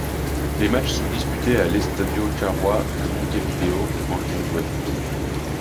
Les matchs sont disputés à l'Estadio Charruà de Montevideo en Uruguay.